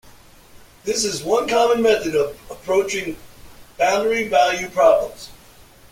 This is one common method of approaching boundary value problems.